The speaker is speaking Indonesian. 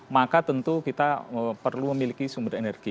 maka tentu kita perlu memiliki sumber energi